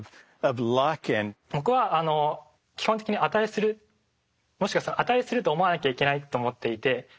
僕は基本的に値するもしくは値すると思わなきゃいけないと思っていて。